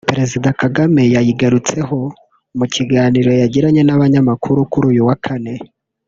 Perezida Kagame yayigarutseho mu kiganiro yagiranye n’Abanyamakuru kuri uyu wa Kane